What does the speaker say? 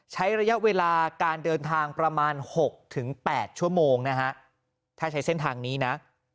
ใช้ระยะเวลาการเดินทางประมาณ๖๘ชั่วโมงนะฮะถ้าใช้เส้นทางนี้นะ